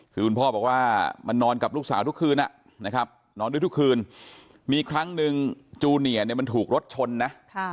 คือคุณพ่อบอกว่ามันนอนกับลูกสาวทุกคืนมีครั้งหนึ่งจูเนียถูกรถชนนะ